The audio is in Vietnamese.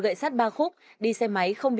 gậy sắt ba khúc đi xe máy không bị